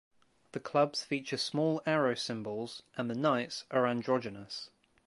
The clubs feature small arrow symbols and the knights are androgynous.